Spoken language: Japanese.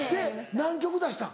何曲出したん？